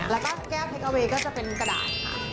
และแก้วส่วนสุดก็จะเป็นกระดาน